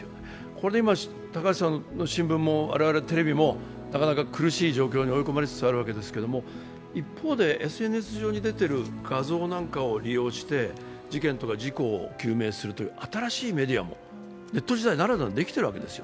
これで今、高橋さんの新聞も、我々テレビもなかなか苦しい状況に追い込まれつつあるわけですけれども、一方でＳＮＳ上に出ている画像なんかを利用して事件とか事故を究明するという新しいメディアも、ネット時代ならではのができてるわけです。